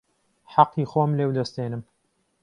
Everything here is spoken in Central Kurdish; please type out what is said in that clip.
حهقی خۆم لێو دەستێنم